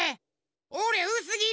おれうすぎり！